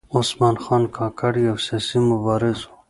عثمان خان کاکړ یو سیاسي مبارز و .